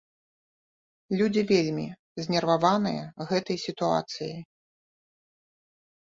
Людзі вельмі знерваваныя гэтай сітуацыяй.